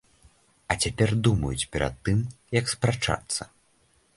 А цяпер думаюць перад тым, як спрачацца.